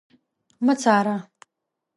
ما څاره